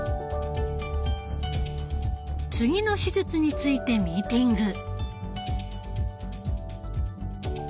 次の手術についてミーティング。